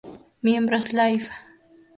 Miembros Live